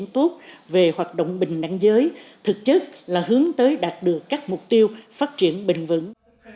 thúc đẩy bình đẳng giới thực chất là hướng tới đạt được các mục tiêu phát triển bình vững